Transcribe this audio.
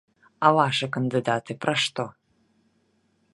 А вашы кандыдаты пра што?